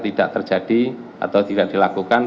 tidak terjadi atau tidak dilakukan